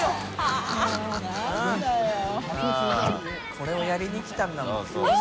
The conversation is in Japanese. これをやりに来たんだもん。